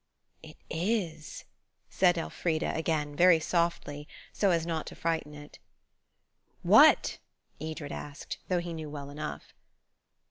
"It is," said Elfrida again, very softly, so as not to frighten it. "What?" Edred asked, though he knew well enough.